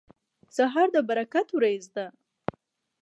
سهار د برکت وریځ ده.